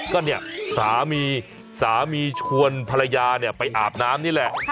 ก็สามีชวนภรรยาไปอาบน้ำนี่แหละ